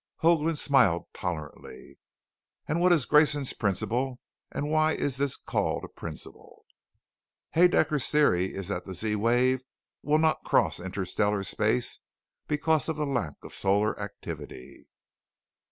Hoagland smiled tolerantly. "And what is Grayson's Principle, and why is this called a 'principle'?" "Haedaecker's Theory is that the Z wave will not cross interstellar space because of the lack of solar activity.